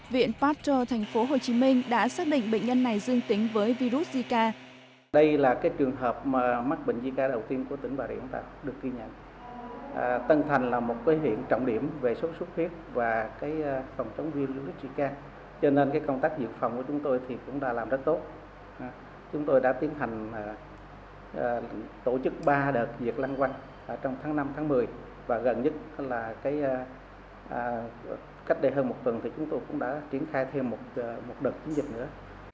và gần nhất cách đây hơn một tuần chúng tôi cũng đã triển khai thêm một đợt diễn dịch nữa